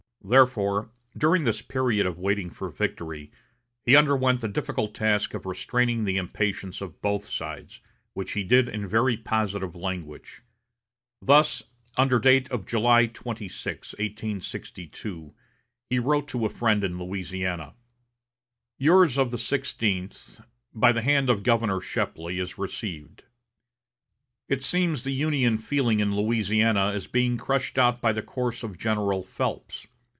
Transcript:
Therefore, during this period of waiting for victory, he underwent the difficult task of restraining the impatience of both sides, which he did in very positive language. Thus, under date of July 26, 1862, he wrote to a friend in Louisiana: "Yours of the sixteenth, by the hand of Governor Shepley, is received. It seems the Union feeling in Louisiana is being crushed out by the course of General Phelps.